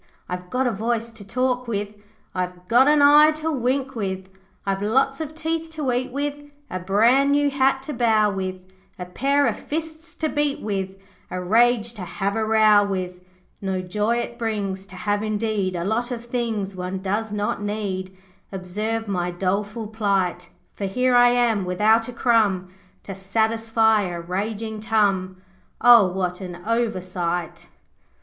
I've got a voice to talk with. I've got an eye to wink with. I've lots of teeth to eat with, A brand new hat to bow with, A pair of fists to beat with, A rage to have a row with. No joy it brings To have indeed A lot of things One does not need. Observe my doleful plight. For here am I without a crumb To satisfy a raging tum O what an oversight!'